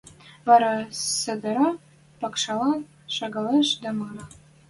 Вара седӹрӓ покшалан шагалеш дӓ мыра.